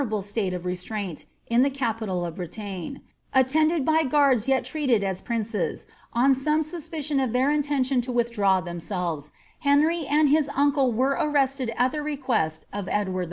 SI kmounble state of restraiiit in the capital of Bretagne, attended by Iparde yet treated as princes, on some suspicion of iheir intention to withdraw themselTes, Henry and his uncle were arrested at the request of Edward IV.